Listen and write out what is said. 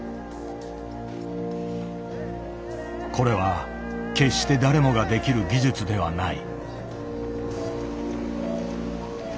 これは決して誰もができる技術ではない。